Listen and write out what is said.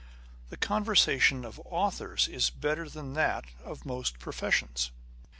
The conversation of authors is better than that of most professions.